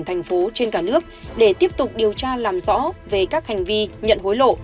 thành phố trên cả nước để tiếp tục điều tra làm rõ về các hành vi nhận hối lộ